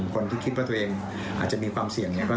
คนที่คิดว่าตัวเองอาจจะมีความเสี่ยง